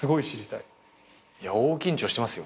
いや大緊張してますよ